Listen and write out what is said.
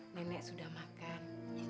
nenek sudah makan